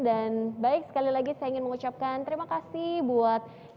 dan baik sekali lagi saya ingin mengucapkan terima kasih buat mbak christine